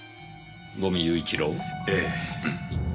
「五味勇一郎」ええ。